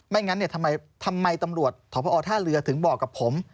ไม่งั้นทำไมตำรวจทหธเรือถึงบอกกับผม